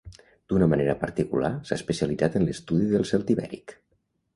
D'una manera particular s'ha especialitzat en l'estudi del celtibèric.